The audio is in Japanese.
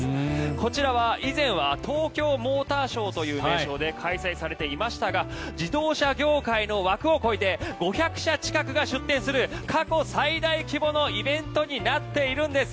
こちらは以前は東京モーターショーという名称で開催されていましたが自動車業界の枠を超えて５００社近くが出展する過去最大規模のイベントになっているんです。